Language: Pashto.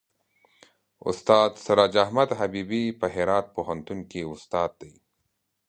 استاد سراج احمد حبیبي په هرات پوهنتون کې استاد دی.